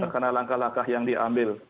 karena langkah langkah yang diambil